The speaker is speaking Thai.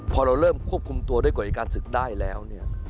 พอเราเริ่มควบคุมตัวด้วยกว่าอย่างการศึกได้แล้ว